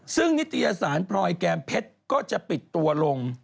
ซึ่งนิตยสารพลอยแก้มเพชรก็จะปิดตัวลง